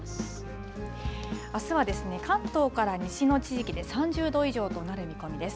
あすは関東から西の地域で３０度以上となる見込みです。